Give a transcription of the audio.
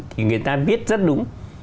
thì người ta viết rất đúng